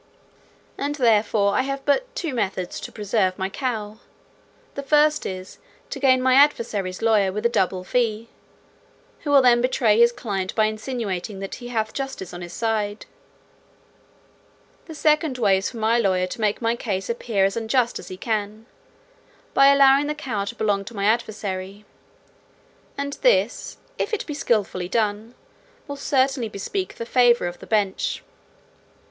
And therefore I have but two methods to preserve my cow. The first is, to gain over my adversary's lawyer with a double fee, who will then betray his client by insinuating that he hath justice on his side. The second way is for my lawyer to make my cause appear as unjust as he can, by allowing the cow to belong to my adversary: and this, if it be skilfully done, will certainly bespeak the favour of the bench.